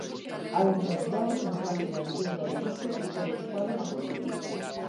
Hai novidades no caso da vivenda de luxo que foi ocupada na Coruña.